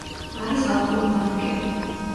არის ალპური ბანაკები.